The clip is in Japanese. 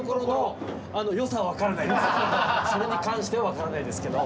それに関しては分からないですけど。